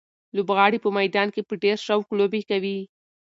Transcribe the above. لوبغاړي په میدان کې په ډېر شوق لوبې کوي.